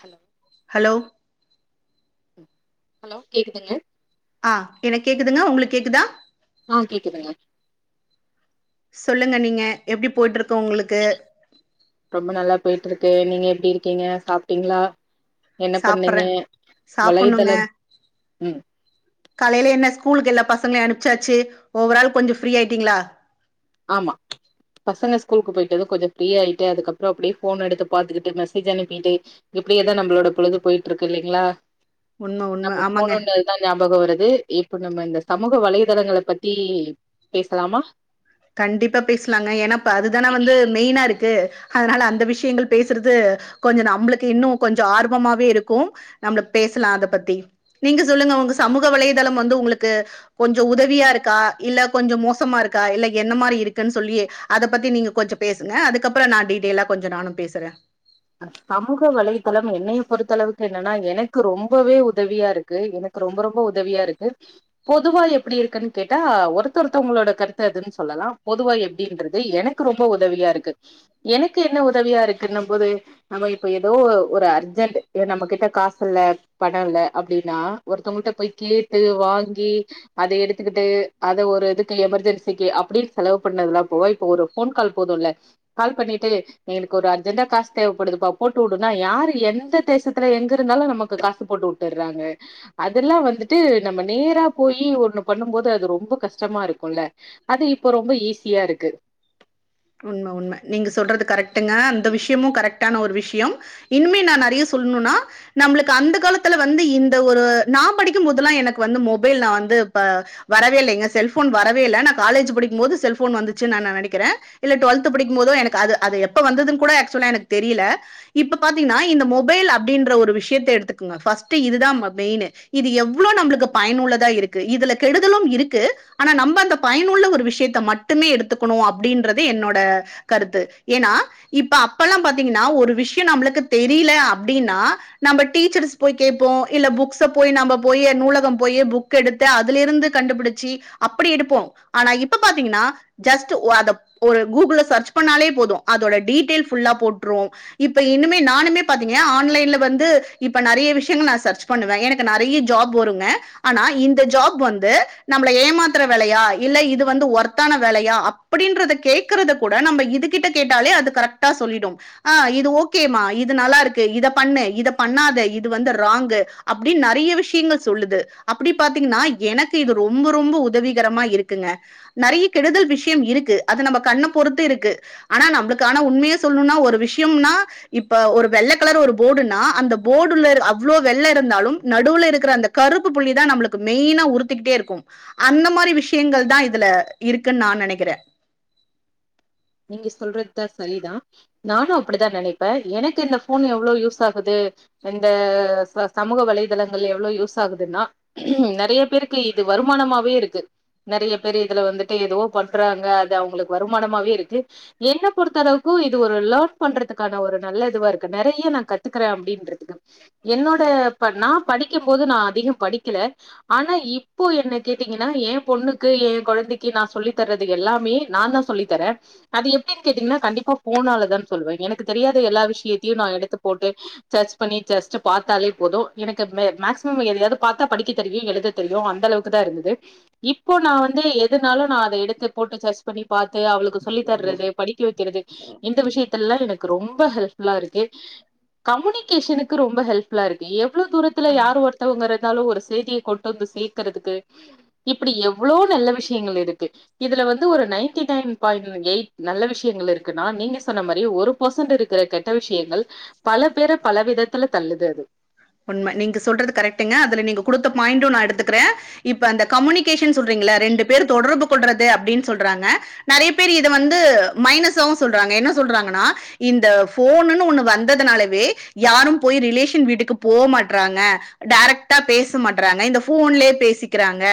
Hello hello hello கேக்குதுங்க ஆ என்க்கு கேக்குதுங்க உங்களுக்கு கேக்குதா.? ஆ கேக்குதுங்க சொல்லுங்க நீங்க எப்டி போய்ட்டு இருக்கு உங்களுக்கு ட்டு நீங்க எப்டி இருக்கீங்க சாப்பிட்டீங்களா சாப்பறன் சாப்பணுங்க வலைதளம் ம் காலையில என்ன ஸ்கூலுக்கு எல்லா பசங்களையும் அனுப்பச்சாச்சி ஓவரால் கொஞ்சம் ஃப்ரீ ஆயிட்டீங்களா ஆமா பசங்க ஸ்கூலுக்கு போயிட்டது கொஞ்சம் ஃப்ரீயா ஆயிட்டு அதுக்கப்புறம் அப்டே ஃபோன் எடுத்து பாத்துகிட்டு மெசேஜ் அனுப்பிட்டு இப்டியேதா நம்மளோட பொழுது போயிட்டு இருக்கு இல்லங்களா உண்ம உண்ம நமக்கு ஆமாங்க ஃபோன் நோண்டனது தான் ஞாபக வரு து இப்ப நம்ம இந்த சமூக வலையதளங்கள பத்தி பேசலாமா கண்டிப்பா பேசலாங்க ஏன்னா இப்ப அதுதான வந்து மெயின்னா இருக்கு அதனால அந்த விஷியங்கள் பேசறது கொஞ்சம் நம்பளுக்கு இன்னும் கொஞ்சம் ஆர்வமாவே இருக்கும் நம்மளு பேசலாம் அத பத்தி நீங்க சொல்லுங்க உங்க சமூக வலைதளம் வந்து உங்களுக்கு கொஞ்சம் உதவியா இருக்கா இல்ல கொஞ்சம் மோசமா இருக்கா இல்ல என்ன மாரி இருக்கன் சொல்லி அத பத்தி நீங்க கொஞ்சம் பேசுங்க அதுக்கப்புறம் நான் டீட்டெயிலா கொஞ்சம் நானும் பேசுறன் சமூக வலைத்தளம் என்னைய பொறுத்த அளவுக்கு என்னன்னா எனக்கு ரொம்பவே உதவியா இருக்கு எனக்கு ரொம்ப ரொம்ப உதவியா இருக்கு பொதுவா எப்படி இருக்கன்னு கேட்டா ஒருத்த ஒருத்தவங்களோட கருத்த அதுன் சொல்லலாம் பொதுவா எப்டின்றது எனக்கு ரொம்ப உதவியா இருக்கு எனக்கு என்ன உதவியா இருக்குன்னும் போது நம்ம இப்ப ஏதோ ஒ ஒரு அர்ஜென்ட்டு ஏ நம்ம கிட்ட காசு இல்ல பணம் இல்ல அப்டின்னா ஒருத்தவங்கள்ட்ட போய் கேட்டு வாங்கி அத எடுத்துக்கிட்டு அத ஒரு இதுக்கு எமர்ஜென்சிக்கு அப்டி செலவு பண்ணதுலாம் போவ இப்ப ஒரு ஃபோன் கால் போதுல்ல கால் பண்ணிட்டு எனக்கு ஒரு அர்ஜெண்டா காசு தேவப்படுதுப்பா போட்டு உடுனா யாரு எந்த தேசத்துல எங்க இருந்தாலும் நமக்கு காசு போட்டு உட்டறாங்க அதெல்லாம் வந்துட்டு நம்ம நேரா போயி ஒண்ணு பண்ணும் போது அது ரொம்ப கஷ்டமா இருக்குல்ல அது இப்ப ரொம்ப ஈஸியா இருக்கு உண்ம உண்ம நீங்க சொல்றது கரெட் டுங்க அந்த விஷியமும் கரெட்டான ஒரு விஷ விஷியம் இனிமே நான் நறையா சொல்லணும்னா நம்பளுக்கு அந்த காலத்துல வந்து இந்த ஒரு நான் படிக்கும்போதெல்லாம் எனக்கு வந்து மொபைல் நா வந்து இப்ப வரவே இல்லைங்க செல்ஃபோன் வரவே இல்ல நான் காலேஜி படிக்கமோது செல்ஃபோன் வந்துச்சி நான் நெனைக்கிறேன் இல்ல டுவல்த் படிக்கமோதோ எனக்கு அது அது எப்ப வந்ததுன்னு கூட ஆக்சுவலா எனக்கு தெரியல இப்ப பாத்தீங்கன்னா இந்த மொபைல் அப்டின்ற ஒரு விஷியத்த எடுத்துக்கோங்க ஃபஸ்ட்டு இதுதான் மெயுனு இது எவ்ளோ நம்பளுக்கு பயனுள்ளதா இருக்கு இதுல கெடுதலும் இருக்கு ஆனா நம்ம அந்த பயனுள்ள ஒரு விஷியத்த மட்டுமே எடுத்துக்குணும் அப்டின்ற து என்னோட கருத்து ஏன்னா இப்ப அப்பெல்லாம் பாத்தீங்கன்னா ஒரு விஷியம் நம்பளுக்கு தெரியல அப்டின்னா நம்ப டீச்சர்ஸ் போய் கேப்போம் இல்ல புக்ஸ போயி நம்ப போயி நூலகம் போயி புக்கு எடுத்து அதுல இருந்து கண்டுபிடிச்சி அப்டி எடுப்போம் ஆனா இப்ப பாத்திங்கன்னா ஜஸ்ட் ஒ அத ஒரு கூகுல்ல சர்ச் பண்ணாலே போதும் அதோட டீடைல் ஃபுல்லா போட்டுரும் இப்ப இனிமே நானுமே பாத்திங்கன ஆன்லைன்ல வந்து இப்ப நரையா விஷியங்கள் நா சர்ச் பண்ணுவேன் எனக்கு நெறையா ஜாப் வருங்க ஆனா இந்த ஜாப் வந்து நம்பள ஏமாத்துற வேலையா இல்ல இது வந்து ஒர்த்தான வேலையா அப்டின்றது கேக்றத கூட நம்ப இது கிட்ட கேட்டாலே அது கரெக்ட்டா சொல்லிடு ஆ இது ஓகேமா இது நல்லா இருக்கு இத பண்ணு இத பண்ணாத இது வந்து ராங்கு அப்டின் நறையா விஷியங்கள் சொல்லுது அப்டி பாத்தீங்கன்னா எனக்கு இது ரொம்ப ரொம்ப உதவிகரமா இருக்குங்க நறையா கெடுதல் விஷியம் இருக்கு அது நம்ப கண்ண பொறுத்து இருக்கு ஆனா நம்பளுக்கு ஆனா உண்மைய சொல்லணும்னா ஒரு விஷியம்னா இப்ப ஒரு வெள்ள கலர் ஒரு போடுன்னா அந்த போடுல இரு அவ்ளோ வெள்ள இருந்தாலும் நடுவுல இருக்கிற அந்த கருப்பு புள்ளிதான் நம்பளுக்கு மெய்யினா உறுத்திக்கிட்டே இருக்கும் அந்த மாரி விஷியங்கள் தான் இதுல இருக்குன் நான் நெனைக்கிறே நீங்க சொல்றதுதான் சரிதான் நானும் அப்டித்தான் நெனைப்பேன் எனக்கு இந்த ஃபோன் எவ்ளோ யூஸ் ஆகுது இந்த சமூக வலைதளங்கள எவ்ளோ யூஸ் ஆகுதுன்னா நெறையா பேருக்கு இது வருமானமாவே இருக்கு நெறையா பேரு இதுல வந்துட்டு எதோ பண்றாங்க அது அவங்களுக்கு வருமானமாவே இருக் கு என்ன பொறுத்த அளவுக்கும் இது ஒரு லேன் பண்றதுக்கான ஒரு நல்ல இதுவா இருக்கு நெறையா நா கத்துக்கறன் அப்படின்றதுக்கு என்னோட ப நான் படிக்கமோது நான் அதிகம் படிக்கல ஆனா இப்போ என்ன கேட்டீங்கன்னா ஏன் பொண்ணுக்கு என் கொழந்தைக்கு நான் சொல்லி தறது எல்லாமே நா தா சொல்லி தரே அது எப்டிங் கேட்டிங்கன்னா கண்டிப்பா ஃபோனாலதான் சொல்லுவேன் எனக்கு தெரியாத எல்லா விஷியத்தியும் நான் எடுத்து போட்டு சர்ச் பண்ணி ஜஸ்ட்டு பாத்தாலே போதும் எனக்கு மேக்சிமம் எதயாவது பாத்தா படிக்க தெரியும் எழுத தெரியும் அந்த அளவுக்கு தான் இருந்தது இப்போ நா வந்து எதுனாலும் நான் அத எடுத்து போட்டு சர்ச் பண்ணி பாத்து அவளுக்கு தர்றது படிக்க வக்குறது இந்த விஷயத்தலல்லாம் எனக்கு ரொம்ப ஹெல்ப்புல்லா இருக்கு கம்யூனிகேஷனுக்கு ரொம்ப ஹெல்ப்புல்லா இருக்கு இவ்ளோ தூரத்துல யார் ஒருத்தவங்க வறது தாலு ஒரு செய்திய கொண்டு வந்து சேக்குறதுக்கு இப்டி எவ்ளோ நல்ல விஷயங்கள் இருக்கு இதுல வந்து ஒரு நைன்டி னைன் பாய்ண்ட் எயிட் நல்ல விஷயங்கள் இருக்குன்னா நீங்க சொன்ன மாரி ஒரு பர்சன்ட் இருக்கிற கெட்ட விஷயங்கள் பல பேரை பல விதத்துல தள்ளுது அது உண்ம நீங்க சொல்றது கரெக்டுங்க அதுல நீங்க குடுத்த பாயிண்டும் நா எடுத்துக்குறே இப்ப அந்த கம்யூனி சொல்றீங்ளா ரெண்டு பேர் தொடர்புக்கு சொல்றது அப்டின்னு சொல்றாங்க நெறய பேர் இது வந்து மைனஸ்சாவு சொல்றாங்க என்ன சொல்றாங்கனா இந்த ஃபோன்னுனு ஒன்னு வந்ததுனாலவே யாரும் போய் ரிலேஷன் வீட்டுக்கு போமாட்றாங்க டைரக்டா பேச மாட்றாங்க இந்த ஃபோன்லயே பேசிக்குறாங்க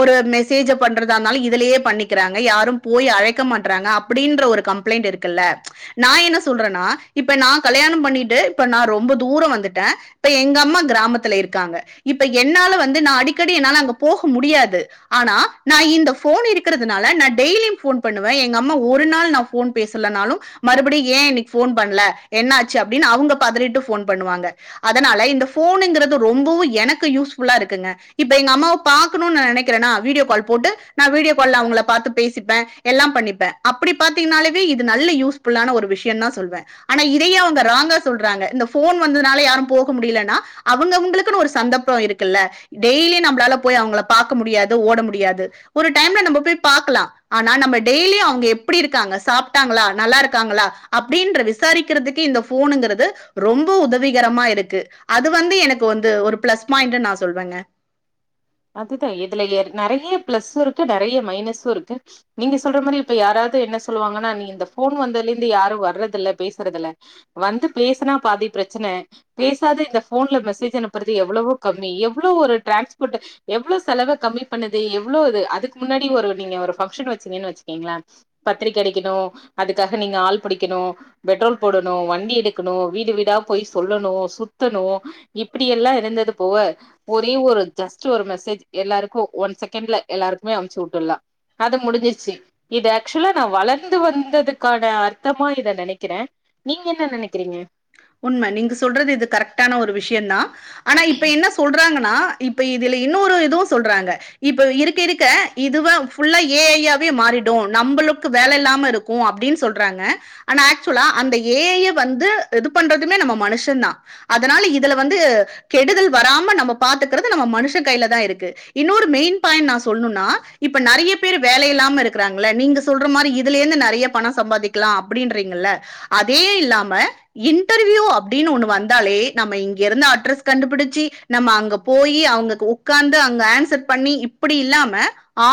ஒரு மெசேஜ பண்றதா இருந்தாலு இதுலயே பண்ணிக்குறாங்க யாரும் போய் அழைக்க மாட்றாங்க அப்டீன்ற ஒரு கம்ப்ளைண்ட் இருக்குல்ல நா என்ன சொல்றேன்னா இப்ப நா கல்யாணம் பண்ணிட்டு இப்ப நா ரொம்ப தூரம் வந்துட்டே இப்ப எங்க அம்மா கிராமத்துல இருக்காங்க இப்ப என்னால வந்து நா அடிக்கடி என்னால அங்க போக முடியாது ஆனா நா இந்த ஃபோன் இருக்குறதுனால நா டெய்லியு ஃபோன் பண்ணுவே எங்க அம்மா ஒரு நாள் நா ஃபோன் பேசலனாலு மறுபடியு ஏன் இன்னைக்கு ஃபோன் பண்ணல என்ன ஆச்சு அப்டின்னு அவுங்க பதறிட்டு ஃபோன் பண்ணுவாங்க அதனால இந்த போனுங்குறது ரொம்பவு எனக்கு யூஸ்ஃபுல்லா இருக்குங்க இப்ப எங்க அம்மாவ பாக்கணும்னு நா நெனக்குறேனா வீடியோ கால் போட்டு நா வீடியோ கால்ல அவுங்கள பாத்து பேசிப்பே எல்லா பண்ணிப்பே அப்டி பாத்தீங்கனாலே இது நல்ல யூஸ்ஃபுல்லான ஒரு விஷயோந்தா சொல்வே ஆனா இதயே அவுங்க ராங்கா சொல்றாங்க இந்த ஃபோன் வந்ததுனால யாரும் போக முடியலனா அவுங்கவுங்களுக்குனு ஒரு சந்தர்ப்ப இருக்குல டெய்லி நம்பலால அவுங்கள பாக்க முடியாது ஓட முடியாது ஒரு டைம்ல நம்ப போய் பாக்கலா ஆனா நம்ம டெய்லி அங்க எப்டி இருங்காங்க சாப்டாங்களா நல்லாருகாங்களா அப்டீன்றத விசாரிக்குறதுக்கு இந்த ஃபோனுங்கறது ரொம்ப உதவிகரமா இருக்கு இருக்கு அது வந்து எனக்கு வந்து ஒரு பிளஸ் பாயிண்டுனு நா சொல்லுவேங்க அதுதா இதுல நெறய பிளஸு இருக்கு நெறய மைனஸு இருக்கு நீங்க சொல்ற மாரி இப்ப யாராவது என்ன சொல்லுவாங்கன்னா நீ இந்த ஃபோன் வந்ததுல இருந்து யாரு வர்றது இல்ல பேசுறது இல்ல வந்து பேசுனா பாதி பிரச்சன பேசாத இந்த ஃபோன்ல மெசேஜ் அனுப்புறது எவ்ளவோ கம்மி எவ்ளோ ஒரு டிரான்ஸ்போட் எவ்ளோ செலவ கம்மி பண்ணுது எவ்ளோ இது அதுக்கு முன்னாடி ஒரு நீங்க ஒரு ஃபங்க்ஷன் வச்சங்கன்னு வச்சுக்கீங்களே பத்திரிக்க அடிக்கணு அதுக்காக நீங்க ஆள் புடிக்கணு பெட்ரோல் போடணு வண்டி எடுக்கணு வீடு வீடா போய் சொல்லணு சுத்தணு இப்டியெல்லா இருந்தது போக ஒரே ஒரு ஜஸ் ஒரு மெசேஜ் எல்லாருக்கு ஒன் செகண்ட்ல எல்லாருக்குமே அனுப்ச்சு விட்டுடலா அது முடிஞ்சிச்சு இது ஆக்சுவலா நா வளர்ந்து வந்ததுக்கான அர்த்தமா இத நெனக்குறே நீங்க என்ன நெனக்குறீங்க உண்ம நீங்க சொல்றது இது கரெக்ட்டான ஒரு விஷயந்தா ஆனா இப்ப என்ன சொல்றாங்க இப்ப இதுல இன்னொரு இதுவு சொல்றாங்க இப்ப இருக்க இருக்க இது ஏ ஐயாவே மாறிடு நம்மளுக்கு வேல இல்லாம இருக்கு அப்டின்னு சொல்றாங்க ஆனா ஆக்சுவலா அந்த ஏ ஐயே வந்து இது பண்றதுமே நம்ம மனுஷந் தா அதனால இதுல வந்து கெடுதல் வராம நம்ம பாத்துக்குறது நம்ம மனுஷங் கையிலதா இருக்கு இன்னொரு மெயின் பாயிண்ட் நா சொல்லுனா இப்ப நெறய பேர் வேல இல்லாம இருக்குறாங்க நீங்க சொல்ற மாரி இதுல இருந்து நெறய பணம் சம்பாதிக்கலா அப்டின்றீங்கல்ல அதே இல்லாம இன்டர்வியூ அப்டின்னு ஒன்னு வந்தாலே நம்ம இங்க இருந்து அட்ரெஸ் கண்டுபிடிச்சு நம்ம அங்க போய் அவுங்கக்கு உக்காந்து அங்க ஆன்செர் பண்ணி இப்டி இல்லாம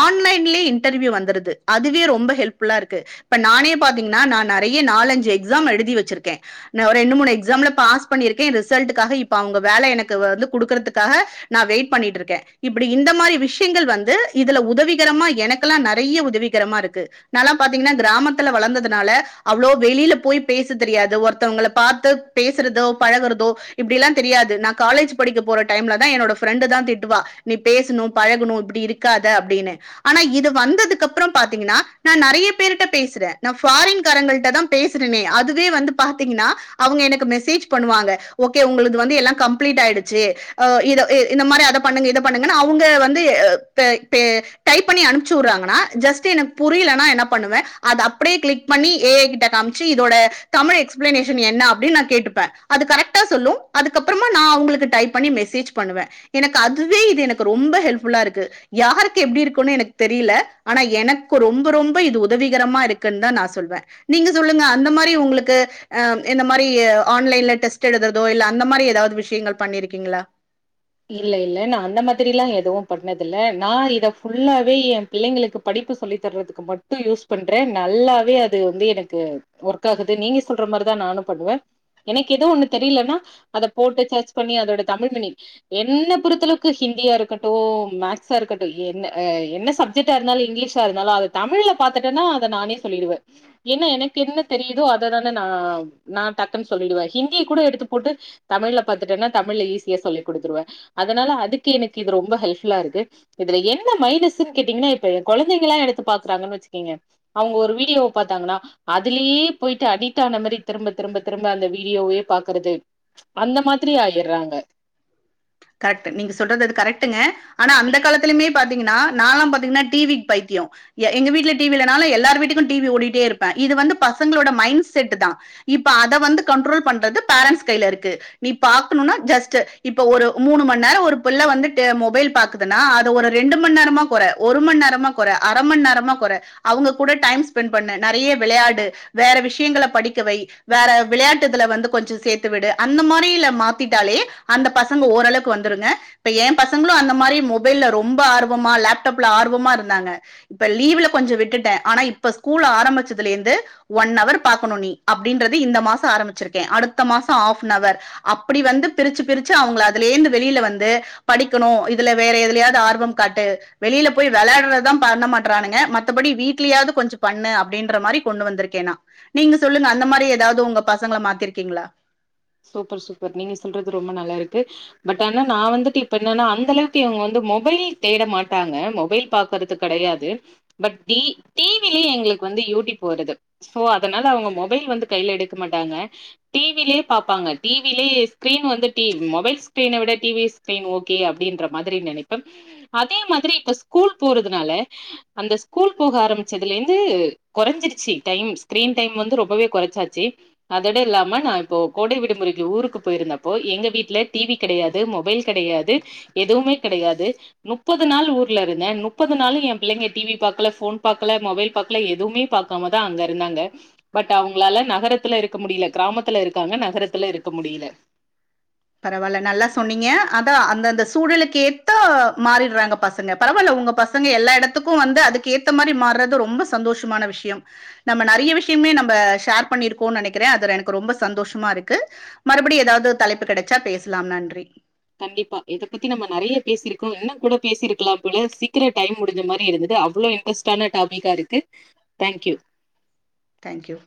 ஆன்லைன்லியே இன்டெர்வியூ வந்துருது அதுவே ரொம்ப ஹெல்ப்ஃபுல்லா இருக்கு இப்ப நானே பாத்தீங்கனா நா நெறய நாலஞ்சு எக்ஸாம் எழுதி வெச்சிருக்கே நா ஒரு ரெண்டு மூனு எக்ஸாம்ல பாஸ் பண்ணிருக்கே ரிசெல்டுக்காக இப்ப அவுங்க வேல எனக்கு வந்து குடுக்குறதுக்காக நா வெயிட் பண்ணிட்டுருக்கே இப்டி இந்த மாரி விஷயங்கள் வந்து இதுல உதவிகரமா எனக்கெலா நெறய உதவிகரமா இருக்கு நாலா பாத்தீங்கனா கிராமத்துல வளர்ந்ததுனால அவ்ளோ வெளில போய் பேச தெரியாது ஒருத் ஒருத்தவங்கள பாத்து பேசுறதோ பழகுறதோ இப்டிலா தெரியாது நா காலேஜ் படிக்க போற டைம்ல தா என்னோட ஃப்ரெண்டு தா திட்டுவா நீ பேசுனோ பழகுனோ இப்டி இருக்காத அப்டினு ஆனா இது வந்ததுக்கப்றோ பாத்தீங்னா நா நெறய பேருகிட்ட பேசுறே நா ஃபாரின் காரங்கல்ட தா பேசுறனே அதுவே வந்து பாத்தீங்னா அவுங்க எனக்கு மெசேஜ் பண்ணுவாங்க ஓகே உங்களுக்கு வந்து எல்லா கம்ப்லீட் ஆய்டுச்சு ஆ இத இந்த மாரி அத பண்ணுங்க இத பண்ணுங்கனு அவுங்க வந்து பே டைப் பண்ணி அணுப்சி வுட்ராங்கனா ஜெஸ்டு எனக்கு புரிலனா என்ன பண்ணுவே அத அப்டே க்ளிக் பண்ணி எ ஐ கிட்ட காம்சி இதோட தமிழ் எக்ஸ் எக்ஸ்பிளனேஷன் என்ன அப்டின்னு நா கேட்டுப்பே அது கரெக்டா சொல்லு அதுக்கப்புறமா நா அவுங்களுக்கு டைப் பண்ணி மெசேஜ் பண்ணுவே எனக்கு அதுவே இது எனக்கு ரொம்ப ஹெல்ப்ஃபுல்லா இருக்கு யாருக்கு எப்டி இருக்குனு எனக்கு தெரில ஆனா எனக்கு ரொம்ப ரொம்ப இது உதவிகரமா இருக்குனு தா நா சொல்வே நீங்க சொல்லுங்க அந்த மாரி உங்களுக்கு அ இந்த மாரி ஆன்லைன்ல டெஸ்ட் எழுதுறதோ இல்ல அந்த மாரி ஏதாவது விஷயங்கள் பண்ணிருக்கீங்ளா இல்ல- இல்ல நா அந்த மாதிரிலா எதுவு பண்ணது இல்ல நா இத ஃபுல்லாவே எ பிள்ளைங்களுக்கு படிப்பு சொல்லி தர்றதுக்கு மட்டு யூஸ் பண்றே நல்லாவே அது வந்து எனக்கு ஒர்க் ஆகுது நீங்க சொல்ற மாரிதா நானு பண்ணுவே எனக்கு ஏதோ ஒன்னு தெரிலனா அத போட்டு செர்ச் பண்ணி அதோட தமிழ் மீனிங் என்ன பொறுத்தளவுக்கு ஹிந்தியா இருக்கட்டு மேக்ஸா இருக்கட்டு என்ன என்ன சப்ஜெக்ட்டா இருந்தாலு இங்கிலீஷா இருந்தாலு அத தமிழ்ல பாதாதுட்டேனா அத நானே சொல்லிடுவே ஏன்னா எனக்கு என்ன தெரியுதோ அததா நா நா டக்குன்னு சொல்லிடுவே ஹிந்திய கூட எடுத்து போட்டு தமிழ்ல பாத்துட்டனா தமிழ்ல ஈஸியா சொல்லிடுவே குடுத்துருவ அதனால அதுக்கு எனக்கு இது ரொம்ப ஹெல்புல்லா இருக்கு இதுல என்ன மைனெஸ்னு கேட்டீங்கனா இப்ப என் கொழந்தைங்கலா எடுத்து பாக்குறாங்கனு வெச்சுக்கங்க அவுங்க ஒரு வீடியோவ பாத்தாங்கனா அதுலயே போய்ட்டு அடிட் ஆன மாரி திரும்ப திரும்ப திரும்ப அந்த வீடியோவே பாக்குறது அந்த மாரி ஆயிற்றாங்க கரெக்ட் நீங்க சொல்றது அது கரெக்டுங்க ஆனா அந்த காலத்துலயுமே பாத்தீங்கனா நாலா பாத்தீங்கனா டிவிக்கு பைத்தியோ எங்க வீட்ல டிவி இல்ல நாலு எல்லார் வீட்டுக்கு டிவி ஓடிட்டே இருப்பே இது வந்து பசங்ளோட மைண்ட் செட்டு தா இப்ப அத வந்து கண்ட்ரோல் பண்றது பேரெண்ஸ் கைலருக்கு நீ பாக்கணுனா ஜெஸ்டு இப்ப ஒரு மூனு மணி நேரோ ஒரு பிள்ள வந்து டெ மொபைல் பாக்குதுன்னா அத ஒரு ரெண்டு மணி நேரமா கொற ஒரு மணி நேரமா கொற அர மணி நேரமா கொற அவூங்க கூட டைம் ஸ்பெண்ட் பண்ணு நெறய விளயாடு வேற விஷயங்கல படிக்க வை வேற விளையாட்டுதுல வந்து கொஞ்சோ சேத்து விடு அந்த மாரியில மாத்திட்டாலே அந்த பச நம்ம ஓர் அளவுக்கு வந்துருங்க இப்ப ஏ பசங்களு அந்த மாரி மொபைல்ல ரொம்ப ஆர்வமா லேப்டாப்ல ஆர்வமா இருந்தாங்க இப்ப லீவ்ல கொஞ்ஜோ விட்டுட்டே ஆனா இப்ப ஸ்கூல் ஆரம்பிச்சதுலேந்து ஒன் ஹவர் பாக்கனு நீ அப்டீன்றது இந்த மாசோ ஆரம்பிச்சுருகே அடுத்த மாசோ ஹாப்பெனவர் அப்டி வந்து பிரிச்சி பிரிச்சு சு அவுங்கள அதுலேந்து வெளில வந்து படிக்கணு இதுல வேற எதுலயாவ்து ஆர்வங் காட்டு வெளில போய் வெளாட்றதுதா பண்ண மாட்றானுங்க மத்தபடி வீட்லியாவது கொஞ்சோ பண்ணு அப்டின்ற மாரி கொண்டு வந்திருக்கே நா நீங்க சொல்லுங்க அந்த மாரி ஏதாவது உங்க பசங்கள மாத்தியிருக்கீங்ளா சூப்பர்- சூப்பர் நீங்க சொல்றது ரொம்ப நல்லா இருக்கு பட் ஆனா நா வந்துட்டு இப்ப என்னனா அந்த அளவுக்கு இங்க வந்து மொபைல் தேட மாட்டாங்க மொபைல் பாக்குறது கெடயாது பட் டி டிவிலியே எங்களுக்கு வந்து யூடியூப் வருது சோ அதனால அவுங்க மொபைல் வந்து கைல எடுக்க மாட்டாங்க டிவிலியே பாப்பாங்க டிவிலே ஸ்கிரீன் வந்து டி மொபைல் ஸ்கிரீன்னவிட டிவி ஸ்கிரீன் ஓகே அப்டின்ற மாதிரி நெனப்பே அதே மாதிரி இப்ப ஸ்கூல் போறதுனால அந்த ஸ்கூல் போக ஆரம்பிச்சதுலேந்து கொறஞ்சிருச்சு டைம் ஸ்கிரீன் டைம் வந்து ரொம்பவே கொறச்சாச்சு அதோட இல்லாம நா இப்போ கோடை விடுமுறைக்கு ஊருக்கு போயிருந்தப்போ எங்க வீட்ல டிவி கெடயாது மொபைல் கெடயாது எதுவுமே கெடயாது முப்பது நாள் ஊர்ல இருந்தே முப்பது நாளு எ பிள்ளைங்க டிவி பாக்கல ஃபோன் பாக்கல மொபைல் பாக்கல எதுவுமே பாக்காம தா அங்க இருந்தாங்க பட் அவுங்களால நகரத்துல இருக்க முடியல கிராமத்துல இருக்க இருக்காங்க நகரத்ல இருக்க முடியல பரவால்ல நல்லா சொன்னீங்க அதா அந்த அந்த சூழலுக்கு ஏத்த மாறிற்றாங்க பசங்க பரவால்ல உங்க பசங்க எல்லா எடத்துக்கு வந்து அதுக்கு ஏத்த மாரி மாறது ரொம்ப சந்தோசமான விஷயம் நம்ம நெறய விஷயமே நம்ப ஷேர் பண்ணிருக்கோனு நெனக்குறே அதுல எனக்கு ரொம்ப சந்தோஷ்மா இருக்கு மறுபடியு ஏதாவது தலைப்பு கெட ச பேசலாம் நன்றி கண்டிப்பா இத பத்தி நம்ம நெறைய பேசிருக்கோ இன்னும் கூட பேசிருக்கலாம் போல சீக்கிர டைம் முடிஞ்ச மாரி இருந்தது அவ்ளோ இன்ட்ரெஸ்டான டாபிக்கா இருக்கு தேங்க்யூ தேங்க் யூ